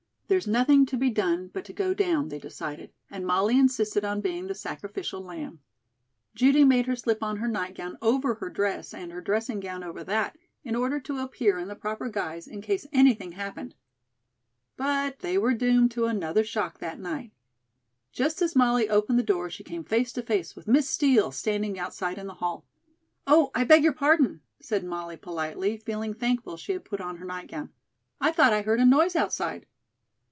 "There's nothing to be done but to go down," they decided, and Molly insisted on being the sacrificial lamb. Judy made her slip on her nightgown over her dress, and her dressing gown over that, in order to appear in the proper guise in case anything happened. But they were doomed to another shock that night. Just as Molly opened the door she came face to face with Miss Steel standing outside in the hall. "Oh, I beg your pardon," said Molly politely, feeling thankful she had put on her nightgown, "I thought I heard a noise outside."